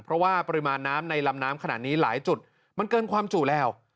เพราะว่าปริมาณน้ำในลำน้ำขนาดนี้หลายจุดมันเกินความจู่แล้ว